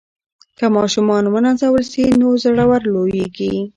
که ماشومان ونازول سي نو زړور لویېږي.